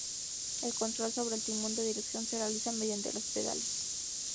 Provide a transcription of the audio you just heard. El control sobre el timón de dirección se realiza mediante los pedales.